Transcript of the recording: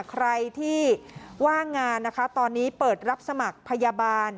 ใครที่ว่างงานนะคะตอนนี้เปิดรับสมัครพยาบาล